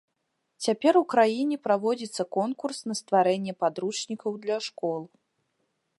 Цяпер у краіне праводзіцца конкурс на стварэнне падручнікаў для школ.